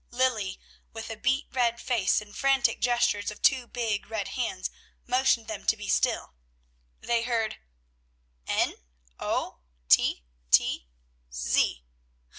Lilly, with a beet red face, and frantic gestures of two big red hands, motioned them to be still. They heard, "N O T T Z."